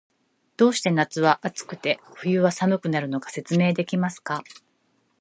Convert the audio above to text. どうして夏は暑くて、冬は寒くなるのか、説明できますか？